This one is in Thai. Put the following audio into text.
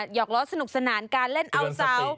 หอกล้อสนุกสนานการเล่นเอาเสา